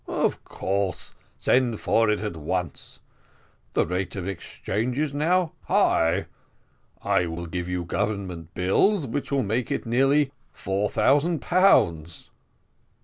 "Of course, send for it at once. The rate of exchange is now high. I will give you government bills, which will make it nearly four thousand pounds."